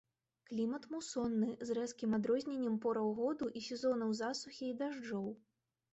Клімат мусонны, з рэзкім адрозненнем пораў году і сезонаў засухі і дажджоў.